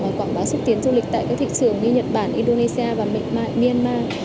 trong việc quảng bá xúc tiến du lịch tại các thị trường như nhật bản indonesia và myanmar